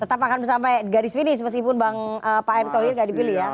tetap akan sampai garis finish meskipun pak erick thohir tidak dipilih ya